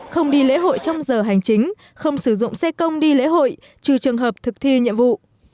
không đi lễ hội trong giờ hành chính không sử dụng xe công đi lễ hội trừ trường hợp thực thi nhiệm vụ